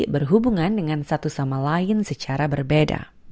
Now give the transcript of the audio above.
berhubungan dengan satu sama lain secara berbeda